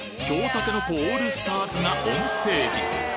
たけのこオールスターズがオンステージ！